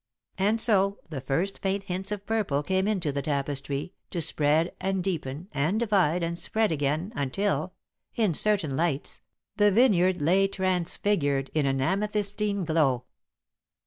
And so the first faint hints of purple came into the tapestry, to spread and deepen and divide and spread again until, in certain lights, the vineyard lay transfigured in an amethystine glow.